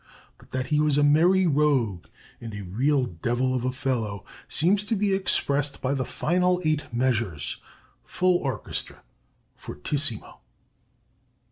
But that he was a merry rogue and a real devil of a fellow seems to be expressed by the final eight measures, full orchestra, fortissimo."